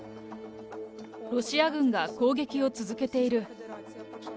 ロシア軍が攻撃を続けている。